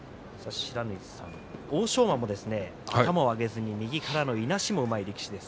欧勝馬も頭を上げずに右からのいなしもうまい力士です。